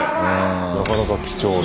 なかなか貴重な。